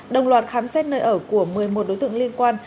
đồng loạt khám xét nơi ở của một mươi một đối tượng liên quan